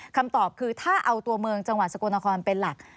คำตอบคือถ้าเอาตัวเมืองจังหวัดสกลนครเป็นหลัก